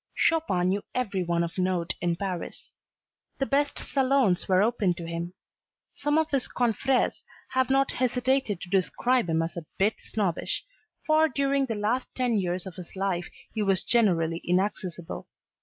Chopin knew every one of note in Paris. The best salons were open to him. Some of his confreres have not hesitated to describe him as a bit snobbish, for during the last ten years of his life he was generally inaccessible.